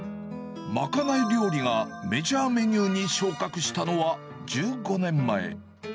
まかない料理がメジャーメニューに昇格したのは、１５年前。